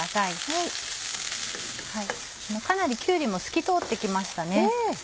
かなりきゅうりも透き通って来ましたね。